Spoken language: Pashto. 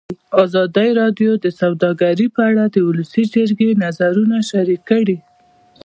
ازادي راډیو د سوداګري په اړه د ولسي جرګې نظرونه شریک کړي.